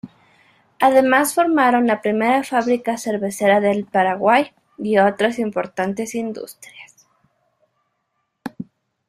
Además formaron la primera fábrica cervecera del Paraguay y otras importantes industrias.